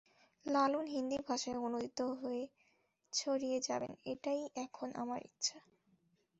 লালন হিন্দি ভাষায় অনূদিত হয়ে ছড়িয়ে যাবেন, এটাই এখন আমার ইচ্ছা।